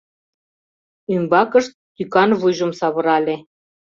Ӱмбакышт тӱкан вуйжым савырале.